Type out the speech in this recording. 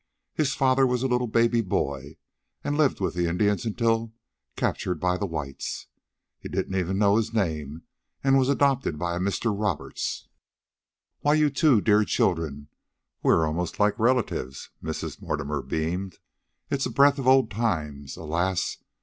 "His father was a little baby boy, and lived with the Indians, until captured by the whites. He didn't even know his name and was adopted by a Mr. Roberts." "Why, you two dear children, we're almost like relatives," Mrs. Mortimer beamed. "It's a breath of old times, alas!